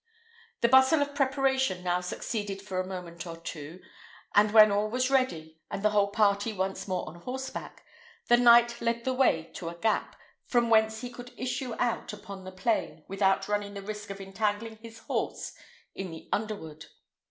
The bustle of preparation now succeeded for a moment or two; and when all was ready, and the whole party once more on horseback, the knight led the way to a gap, from whence he could issue out upon the plain without running the risk of entangling his horse in the underwood.